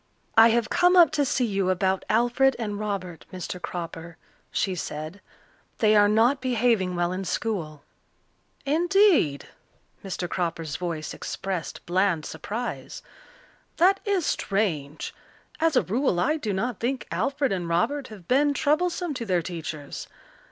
"I have come up to see you about Alfred and Robert, Mr. Cropper," she said. "They are not behaving well in school." "Indeed!" Mr. Cropper's voice expressed bland surprise. "That is strange. As a rule I do not think Alfred and Robert have been troublesome to their teachers.